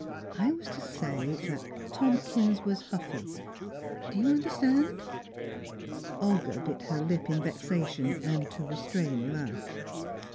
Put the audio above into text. I was to say that Tomkins was huffy. Do you understand?" Olga bit her lip in vexation, and to restrain a laugh.